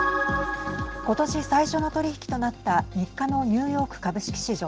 今年最初の取引となった３日のニューヨーク株式市場。